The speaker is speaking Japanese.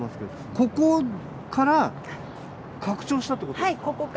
ここから拡張したということですか？